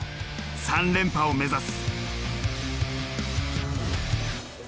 ３連覇を目指す。